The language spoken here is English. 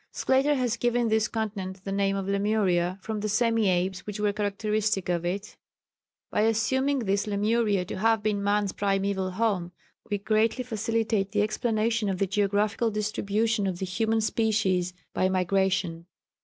Sclater has given this continent the name of Lemuria, from the semi apes which were characteristic of it. By assuming this Lemuria to have been man's primæval home, we greatly facilitate the explanation of the geographical distribution of the human species by migration."